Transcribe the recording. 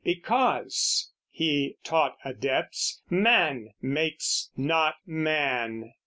"Because," he taught adepts, "man makes not man.